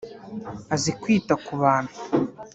Azi kwita ku bantu